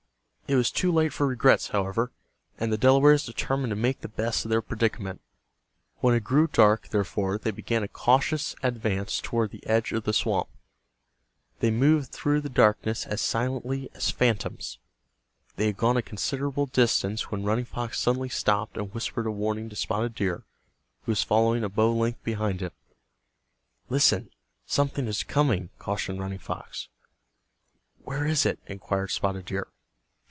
It was too late for regrets, however, and the Delawares determined to make the best of their predicament. When it grew dark, therefore, they began a cautions advance toward the edge of the swamp. They moved through the darkness as silently as phantoms. They had gone a considerable distance when Running Fox suddenly stopped and whispered a warning to Spotted Deer, who was following a bow length behind him. "Listen, something is coming," cautioned Running Fox. "Where is it?" inquired Spotted Deer.